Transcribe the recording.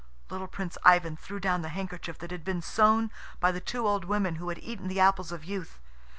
Little Prince Ivan threw down the handkerchief that had been sewn by the two old women who had eaten the apples of youth.